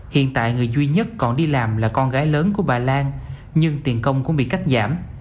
hiện tại người duy nhất còn đi làm là con gái lớn của bà lan nhưng tiền công cũng bị cắt giảm